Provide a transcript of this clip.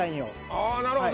ああなるほど。